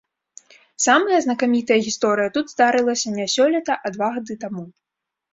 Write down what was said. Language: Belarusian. Самая знакамітая гісторыя тут здарылася не сёлета, а два гады таму.